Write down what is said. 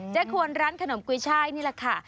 ควรร้านขนมกุ้ยช่ายนี่แหละค่ะ